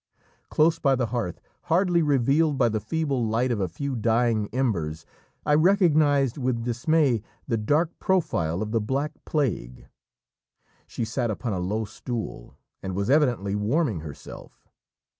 Close by the hearth, hardly revealed by the feeble light of a few dying embers, I recognised with dismay the dark profile of the Black Plague! She sat upon a low stool, and was evidently warming herself.